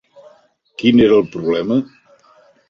Quin era el problema?